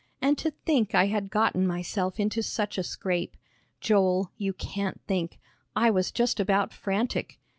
And to think I had gotten myself into such a scrape. Joel, you can't think, I was just about frantic!"